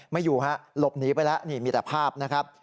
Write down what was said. อยู่ฮะหลบหนีไปแล้วนี่มีแต่ภาพนะครับ